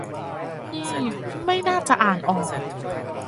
นี่ไม่น่าจะอ่านออก